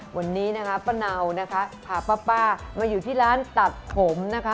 วันนี้นะคะป้าเนานะคะพาป้ามาอยู่ที่ร้านตัดผมนะคะ